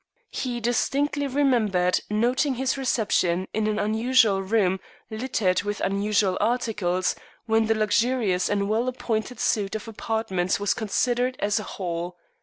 He distinctly remembered noting his reception in an unusual room littered with unusual articles, when the luxurious and well appointed suite of apartments was considered as a whole.